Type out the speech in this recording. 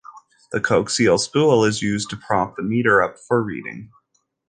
The coaxial spool is used to prop the meter up for reading.